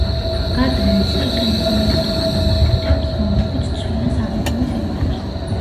გარდა ამისა იყენებენ ისეთ უფერო ნაერთებს, რომლებიც ცვლიან საღებავის ელფერს.